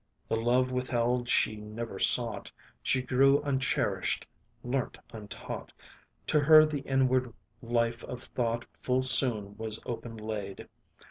The love withheld she never sought, She grew uncherished learnt untaught; To her the inward life of thought Full soon was open laid.